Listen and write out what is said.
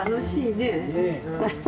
ねえ。